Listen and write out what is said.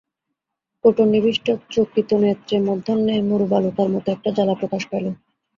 কোটরনিবিষ্ট চকিতনেত্রে মধ্যাহ্নের মরুবালুকার মতো একটা জ্বালা প্রকাশ পাইল।